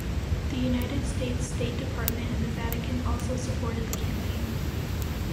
The United States State Department and the Vatican also supported the campaign.